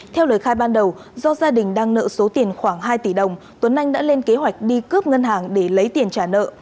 theo lời khai ban đầu do gia đình đang nợ số tiền khoảng hai tỷ đồng tuấn anh đã lên kế hoạch đi cướp ngân hàng để lấy tiền trả nợ